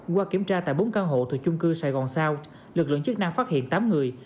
qua kiểm tra tại bốn căn hộ thuộc chung cư sài gòn sao lực lượng chức năng phát hiện tám người